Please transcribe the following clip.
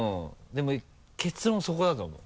でも結論そこだと思う。